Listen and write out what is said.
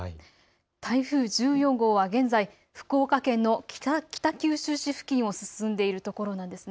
台風１４号は現在、福岡県の北九州市付近を進んでいるところです。